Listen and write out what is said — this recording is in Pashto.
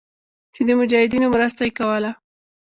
چې د مجاهدينو مرسته ئې کوله.